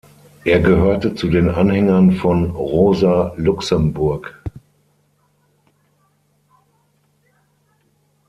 Er gehörte zu den Anhängern von Rosa Luxemburg.